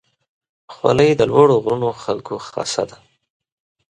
خولۍ د لوړو غرونو خلکو خاصه ده.